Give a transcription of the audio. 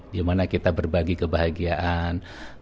di mana kita berbagi kebahagiaan